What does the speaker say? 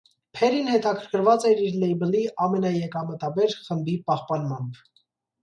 Փերին հետաքրքրված էր իր լեյբլի ամենաեկամտաբեր խմբի պահպանմամբ։